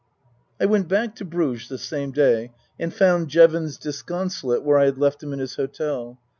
I went back to Bruges the same day and found Jevons disconsolate where I had left him in his hotel.